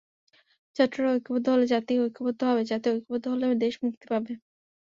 ছাত্ররা ঐক্যবদ্ধ হলে জাতি ঐক্যবদ্ধ হবে, জাতি ঐক্যবদ্ধ হলে দেশ মুক্তি পাবে।